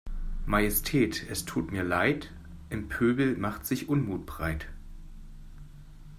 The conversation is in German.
Majestät es tut mir Leid, im Pöbel macht sich Unmut breit.